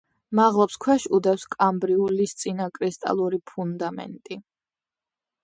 მაღლობს ქვეშ უდევს კამბრიულისწინა კრისტალური ფუნდამენტი.